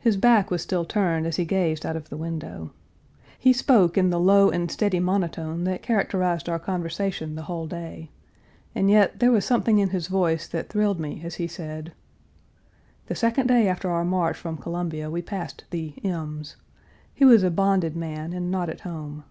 His back was still turned as he gazed out of the window. He spoke in the low and steady monotone that characterized our conversation the whole day, and yet there was something in his voice that thrilled me as he said: "The second day after our march from Columbia we passed the M.'s. He was a bonded man and not at home.